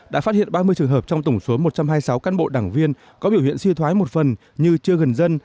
đã phát hiện ba mươi trường hợp trong tổng số một trăm hai mươi sáu cán bộ đảng viên có biểu hiện suy thoái một phần như chưa gần dân